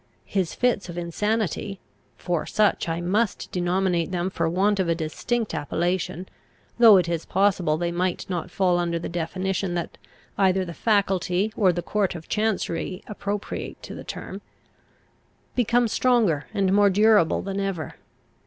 His fits of insanity for such I must denominate them for want of a distinct appellation, though it is possible they might not fall under the definition that either the faculty or the court of chancery appropriate to the term became stronger and more durable than ever.